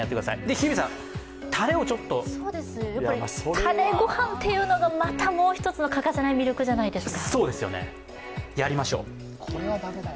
日比さん、タレをちょっとたれご飯というのがまたもう一つの欠かせない魅力じゃないですか。